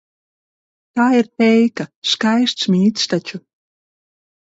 Tā ir teika, skaists mīts taču.